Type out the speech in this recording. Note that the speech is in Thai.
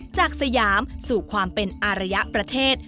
สยามสู่ความเป็นอารยประเทศ